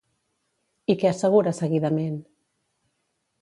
I què assegura seguidament?